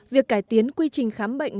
việc cải tiến quy trình khám bệnh